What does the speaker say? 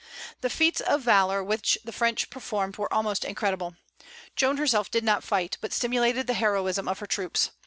The feats of valor which the French performed were almost incredible. Joan herself did not fight, but stimulated the heroism of her troops.